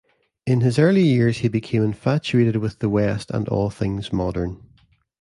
In his early years he became infatuated with the West and all things modern.